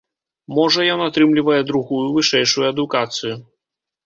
Можа, ён атрымлівае другую вышэйшую адукацыю.